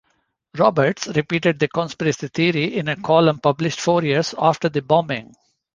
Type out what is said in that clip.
Roberts repeated the conspiracy theory in a column published four years after the bombing.